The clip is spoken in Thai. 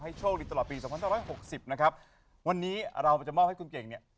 โชคดีตลอดปีสองพันห้าร้อยหกสิบนะครับวันนี้เราจะมอบให้คุณเก่งเนี่ย